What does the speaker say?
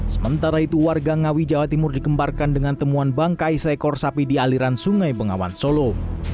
sementara itu warga ngawi jawa timur dikembarkan dengan temuan bangkai seekor sapi di aliran sungai bengawan solo